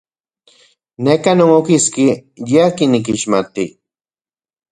Neka non okiski ye akin nikixmati.